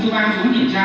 chúa ba xuống điểm tra